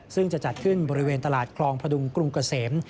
ซึ่งจะจัดขึ้นบริเวณตลาดคลองพดุงกรุงเกษม